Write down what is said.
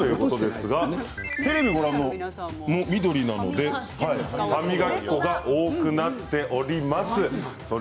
テレビをご覧の皆さんも緑の歯磨き粉が多くなっております。